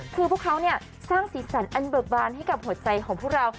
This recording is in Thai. คือพวกเขาเนี่ยสร้างสีสันอันเบิกบานให้กับหัวใจของพวกเรา